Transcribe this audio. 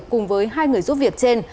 cùng với hai người giúp việc trên